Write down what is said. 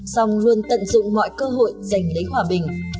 song luôn tận dụng mọi cơ hội dành lấy hòa bình